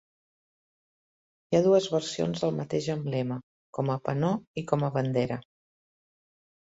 Hi ha dues versions del mateix emblema: com a penó i com a bandera.